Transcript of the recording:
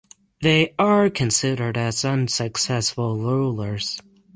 They are considered as unsuccessful rulers.